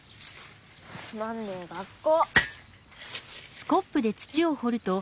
つまんねえ学校！